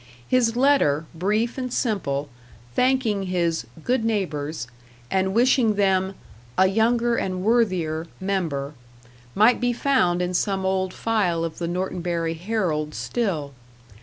His letter, brief and simple, thanking his "good neighbours," and wishing them "a younger and worthier" member, might be found in some old file of the Norton Bury Herald still.